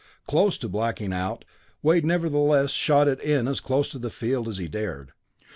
Close to blacking out, Wade nevertheless shot it in as close to the field as he dared.